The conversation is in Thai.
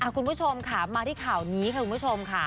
คุณผู้ชมค่ะมาที่ข่าวนี้ค่ะคุณผู้ชมค่ะ